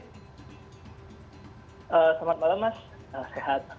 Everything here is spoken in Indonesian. selamat malam mas sehat